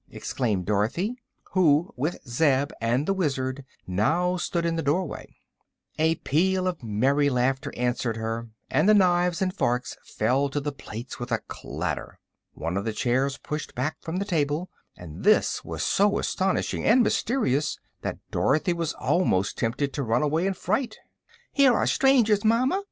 exclaimed Dorothy, who with Zeb and the Wizard now stood in the doorway. A peal of merry laughter answered her, and the knives and forks fell to the plates with a clatter. One of the chairs pushed back from the table, and this was so astonishing and mysterious that Dorothy was almost tempted to run away in fright. "Here are strangers, mama!"